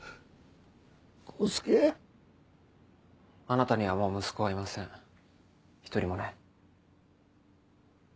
あなたにはもう息子はいません１人もね。